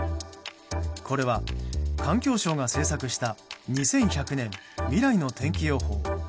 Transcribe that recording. これは環境省が制作した「２１００年未来の天気予報」。